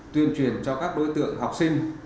tuyên truyền cho các đối tượng học sinh